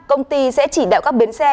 công ty sẽ chỉ đạo các bến xe